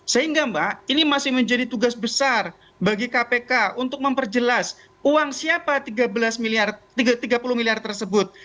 sehingga mbak ini masih menjadi tugas besar bagi kpk untuk memperjelas uang siapa tiga puluh miliar tersebut